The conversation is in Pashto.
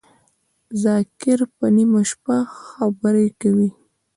ذاکر په نیمه شپه خبری کوی